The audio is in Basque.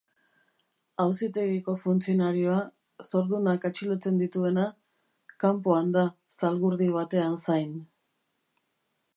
Auzitegiko funtzionarioa, zordunak atxilotzen dituena, kanpoan da zalgurdi batean zain.